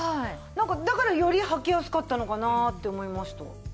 だからよりはきやすかったのかなって思いました。